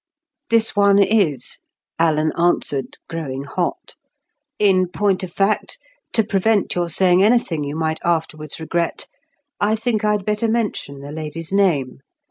"This one is," Alan answered, growing hot. "In point of fact, to prevent your saying anything you might afterwards regret, I think I'd better mention the lady's name.